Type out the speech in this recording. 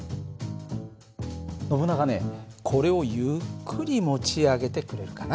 ノブナガねこれをゆっくり持ち上げてくれるかな。